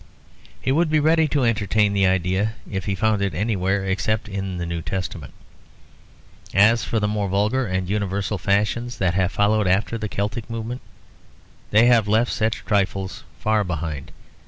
He would be ready to entertain the idea if he found it anywhere except in the New Testament. As for the more vulgar and universal fashions that have followed after the Celtic movement, they have left such trifles far behind.